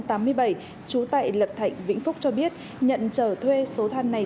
trú tại lập thạnh vĩnh phúc cho biết nhận trở thuê số than này